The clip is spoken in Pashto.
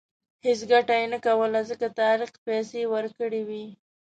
هېڅ ګټه یې نه کوله ځکه طارق پیسې ورکړې وې.